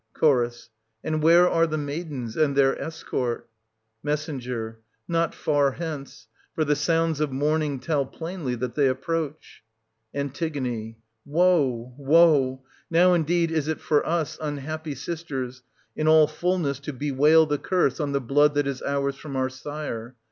Ch. And where are the maidens, and their escort? Me. Not far hence; for the sounds of mourning tell plainly that they approach. An. Woe, woe ! Now, indeed, is it for us, unhappy str.i. sisters, in all fulness to bewail the curse on the blood ^^^° that is ours from our sire